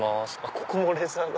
ここもレザーだ。